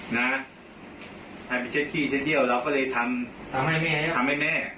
ให้ไปเช็ดคนเข้าเสียเราก็เลยทำให้แม่